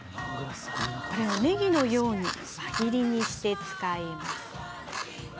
ねぎのように輪切りにして使います。